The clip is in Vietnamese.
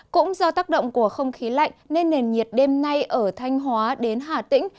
cũng do tác động của không khí lạnh nên nền nhiệt đêm nay ở thanh hóa đến hà tĩnh